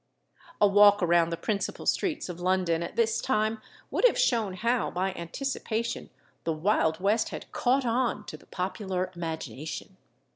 A walk around the principal streets of London at this time would have shown how, by anticipation, the Wild West had "caught on" to the popular imagination.